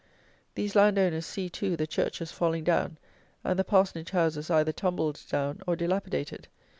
These landowners see, too, the churches falling down and the parsonage houses either tumbled down or dilapidated.